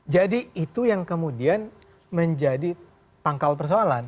jadi itu yang kemudian menjadi pangkal persoalan